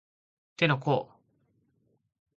手の甲